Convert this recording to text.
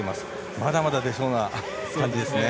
まだまだ出そうな感じですね。